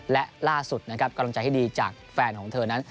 และล่าสุดนะครับกำลังใจให้ดีจากแฟนของเธอนั้น